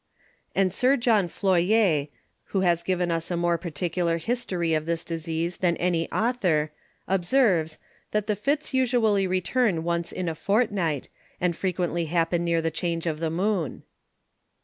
And Sir John Floyer, who has given us a more particular History of this Disease than any Author, observes, that The Fits usually return once in a Fortnight, and frequently happen near the Change of the Moon.